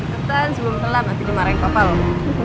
ketan sebelum telat nanti dia marahin papa loh